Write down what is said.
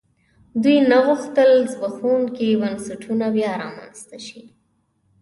دوی نه غوښتل زبېښونکي بنسټونه بیا رامنځته شي.